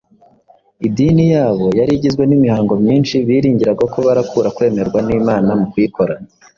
Idini yabo yari igizwe n’imihango myinshi biringiraga ko barakura kwemerwa n’Imana mu kuyikora.